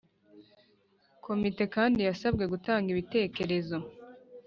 komite kandi yasabwe gutanga ibitekerezo